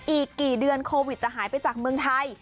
อีกกี่เดือนโควิดจะหายไปจากเมืองไทย